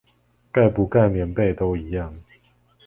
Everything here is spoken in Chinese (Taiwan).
蓋不蓋棉被都一樣